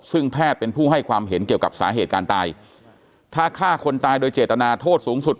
ซึ่งแพทย์เป็นผู้ให้ความเห็นเกี่ยวกับสาเหตุการณ์ตายถ้าฆ่าคนตายโดยเจตนาโทษสูงสุด